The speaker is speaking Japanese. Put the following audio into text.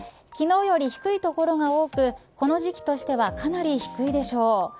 昨日より低い所が多くこの時期としてはかなり低いでしょう。